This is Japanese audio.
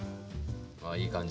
あいい感じ。